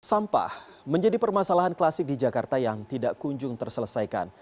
sampah menjadi permasalahan klasik di jakarta yang tidak kunjung terselesaikan